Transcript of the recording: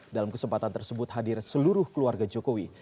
dalam kesempatan tersebut hadir seluruh keluarga jokowi